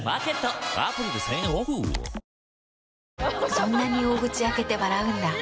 そんなに大口開けて笑うんだ。